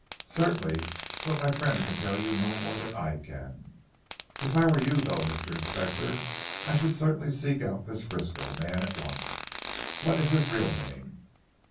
"Certainly. But my friend can tell you no more than I can. If I were you though Mr. Inspector, I should certainly seek out this Frisco man at once. What is his real name?"